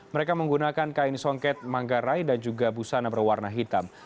mereka menggunakan kain songket manggarai dan juga busana berwarna hitam